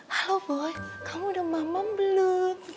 halo boy kamu udah mamam belum